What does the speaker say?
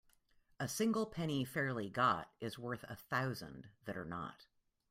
A single penny fairly got is worth a thousand that are not.